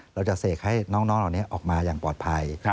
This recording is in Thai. เสกให้น้องเหล่านี้ออกมาอย่างปลอดภัย